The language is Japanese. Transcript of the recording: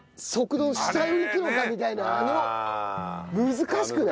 難しくない？